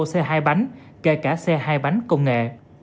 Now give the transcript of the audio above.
một xe hai bánh kể cả xe hai bánh công nghệ